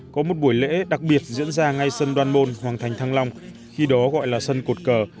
có một buổi lễ đặc biệt diễn ra ngay sân đoan môn hoàng thành thăng long khi đó gọi là sân cột cờ